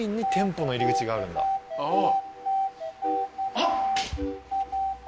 あっ！